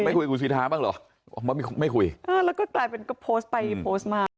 ไม่คุยกับสีท้าบ้างหรอไม่คุยแล้วก็กลายเป็นโพสต์ไปโพสต์มา